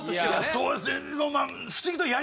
そうですね